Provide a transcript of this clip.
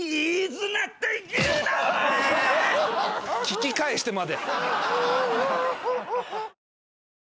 聞き返してまで。